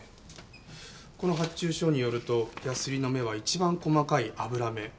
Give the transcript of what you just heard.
この発注書によるとヤスリの目は一番細かい「油目」。